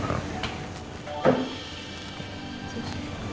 saya permisi pak